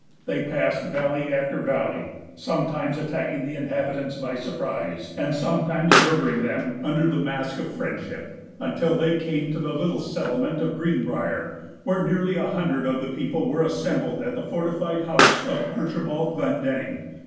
They passed valley after valley, sometimes attacking the inhabitants by surprise, and sometimes murdering them under the mask of friendship, until they came to the little settlement of Greenbrier, where nearly a hundred of the people were assembled at the fortified house of Archibald Glendenning.